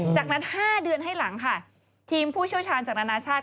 จากนั้น๕เดือนให้หลังค่ะทีมผู้เชี่ยวชาญจากนานาชาติ